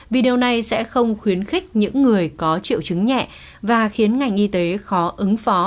vì điều này sẽ không khuyến khích những người có triệu chứng nhẹ và khiến ngành y tế khó ứng phó